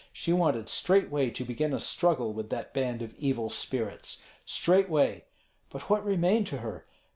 She wanted straightway to begin a struggle with that band of evil spirits, straightway. But what remained to her?